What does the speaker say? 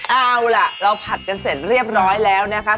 เอาล่ะเราผัดกันเสร็จเรียบร้อยแล้วนะคะ